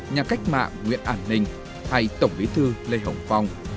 nhà cách mạng nguyễn ản ninh hay tổng bí thư lê hồng phong